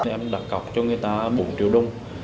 em đặt cọc cho người ta bốn triệu đồng